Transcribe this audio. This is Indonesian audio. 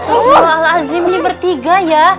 astagfirullahaladzim ini bertiga ya